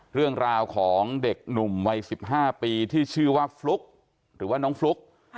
เรื่องราวของเด็กหนุ่มวัย๑๕ปีที่ชื่อว่าฟลุ๊กหรือว่าน้องฟลุ๊ก